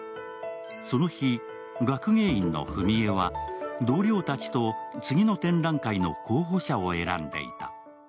その日、学芸員の史絵は同僚たちと次の展覧会の候補者を選んでいた。